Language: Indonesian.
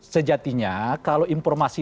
sejatinya kalau informasi